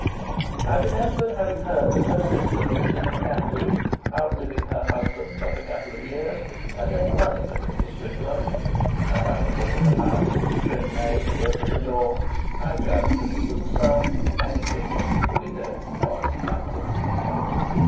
I remembered having heard that her sister, Mrs. MacAndrew, outliving her husband but a couple of years, had left money to Mrs. Strickland; and by the look of the house and the trim maid who opened the door I judged that it was a sum adequate to keep the widow in modest comfort.